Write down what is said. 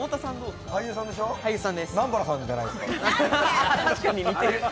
南原さんじゃないですか？